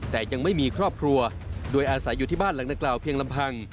แต่ยังไม่มีครอบครัวโดยอาศัยอยู่ที่บ้านหลังนักกล่าวเพียงลำพัง